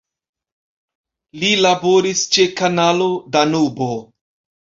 Li laboris ĉe Kanalo Danubo.